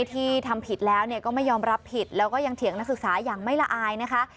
ที่ทำผิดแล้วก็ไม่ยอมรับผิดแล้วก็ยังเถียงนักศึกษาอย่างไม่ละอายนะคะ